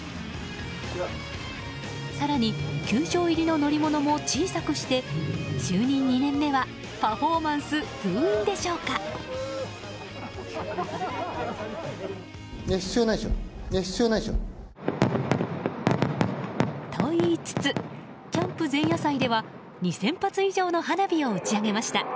更に、球場入りの乗り物も小さくして就任２年目はパフォーマンス封印でしょうか。と言いつつキャンプ前夜祭では２０００発以上の花火を打ち上げました。